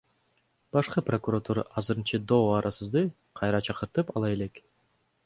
Башкы прокуратура азырынча доо арызды кайра чакыртып ала элек.